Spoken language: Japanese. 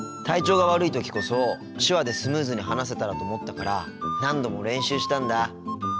体調が悪い時こそ手話でスムーズに話せたらと思ったから何度も練習したんだ。